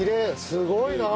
すごいなあ。